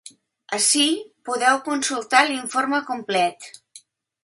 Ací podeu consultar l’informe complet.